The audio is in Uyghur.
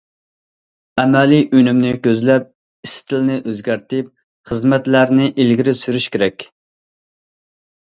ئەمەلىي ئۈنۈمنى كۆزلەپ، ئىستىلنى ئۆزگەرتىپ، خىزمەتلەرنى ئىلگىرى سۈرۈش كېرەك.